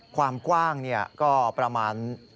ความกว้างก็ประมาณ